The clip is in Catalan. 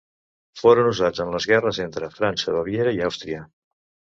Foren usats en les guerres entre França, Baviera i Àustria.